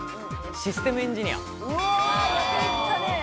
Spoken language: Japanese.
システムエンジニア。